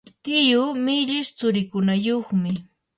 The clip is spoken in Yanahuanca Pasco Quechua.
tiyuu millish tsurikunayuqmi.